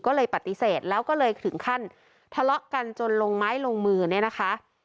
ก็เลยปฏิเสธแล้วก็เลยถึงขั้นทะเลาะกันจนลงไม้ลงมือเนี่ยนะคะ